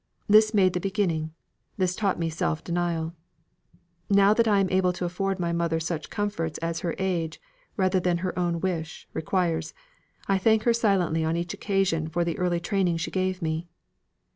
This made the beginning; this taught me self denial. Now that I am able to afford my mother such comforts as her age, rather than her own wish, requires, I thank her silently on each occasion for the early training she gave me.